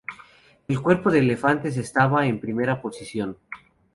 El cuerpo de elefantes estaba en primera posición.